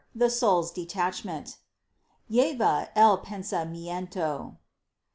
THE SOUL'S DETACHMENT. Lleva el pensamiento.